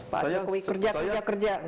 pak jokowi kerja kerja